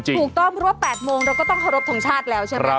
ถูกต้องเพราะว่า๘โมงเราก็ต้องเคารพทงชาติแล้วใช่ไหมครับ